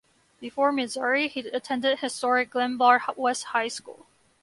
Before Missouri, he attended historic Glenbard West High School.